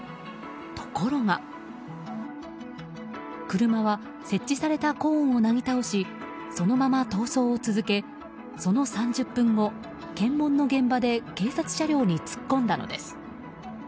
ところが、車は設置されたコーンをなぎ倒しそのまま逃走を続けその３０分後検問の現場で警察車両に突っ込んだのです。